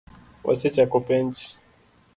Wasechako penj